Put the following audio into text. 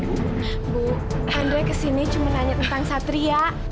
bu andrei kesini cuma nanya tentang satria